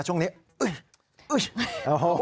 ช่วงนี้อุ๊ยอุ๊ย